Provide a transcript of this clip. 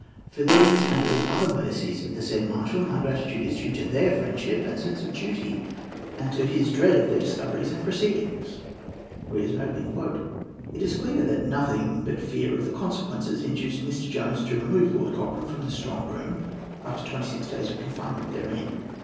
For these and all other mercies of the said marshal, my gratitude is due to their friendship and sense of duty, and to his dread of their discoveries and proceedings." It is clear that nothing but fear of the consequences induced Mr. Jones to remove Lord Cochrane from the Strong Room, after twenty six days of confinement therein.